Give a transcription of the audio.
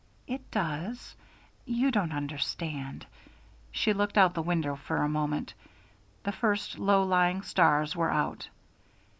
"It does you don't understand " She looked out the window for a moment: the first low lying stars were out.